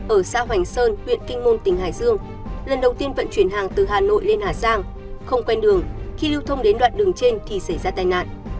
ở xã hoành sơn huyện kinh môn tỉnh hải dương lần đầu tiên vận chuyển hàng từ hà nội lên hà giang không quen đường khi lưu thông đến đoạn đường trên thì xảy ra tai nạn